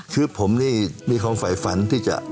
คือผมนี่มีความฝ่ายฝันที่จะ